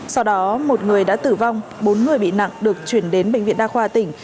sau đó một người đã tử vong bốn người bị nặng được chuyển đến bệnh viện đa khoa tỉnh